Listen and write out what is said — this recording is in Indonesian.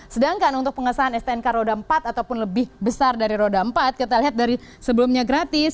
sedangkan untuk pengesahan stnk roda empat ataupun lebih besar dari roda empat kita lihat dari sebelumnya gratis